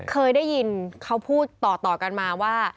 เคยได้ยินเขาพูดต่อกันมาว่า